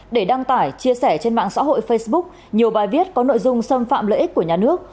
để đăng tải chia sẻ trên mạng xã hội facebook nhiều bài viết có nội dung xâm phạm lợi ích của nhà nước